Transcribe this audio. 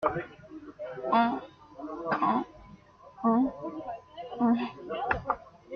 En … en … en … en …